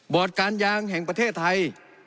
บอร์ดการยางแห่งประเทศไทย